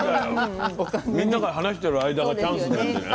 みんなが話してる間がチャンスだしね。